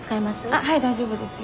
あっはい大丈夫ですよ。